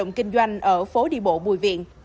công an tiến hành hoạt động kinh doanh ở phố đi bộ bùi viện